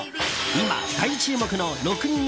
今、大注目の６人組